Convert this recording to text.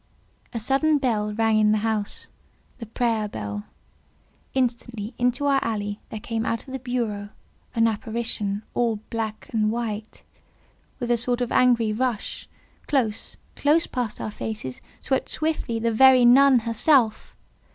A sudden bell rang in the house—the prayer bell. Instantly into our alley there came, out of the berceau, an apparition, all black and white. With a sort of angry rush close, close past our faces—swept swiftly the very NUN herself!